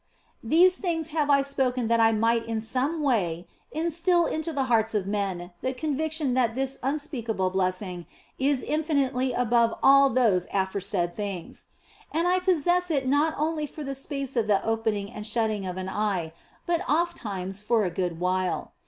These things have I spoken that I might in some way instil into the hearts of men the conviction that this unspeakable blessing is infinitely above all those aforesaid OF FOLIGNO 191 things. And I possess it not only for the space of the opening and shutting of an eye, but ofttimes for a good while.